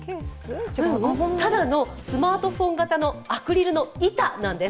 ただのスマートフォン型のアクリルの板なんです。